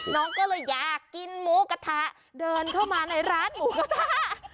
น้องก็เลยอยากกินหมูกระทะเดินเข้ามาในร้านหมูกระทะ